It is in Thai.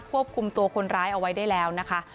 ควบคุมตัวคนร้ายเอาไว้ได้แล้วนะคะ